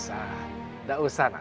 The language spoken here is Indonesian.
paman biar toleh aja yang nyapu